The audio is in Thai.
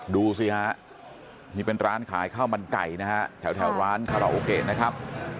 ดูสิฮะนี่เป็นร้านขายข้าวมันไก่นะฮะแถวร้านคาราโอเกะนะครับ